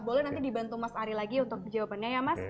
boleh nanti dibantu mas ari lagi untuk jawabannya ya mas